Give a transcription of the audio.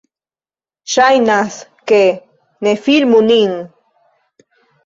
Ŝajnas, ke... - Ne filmu nin!